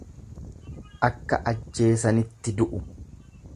Akka ajjeesanitti du'u.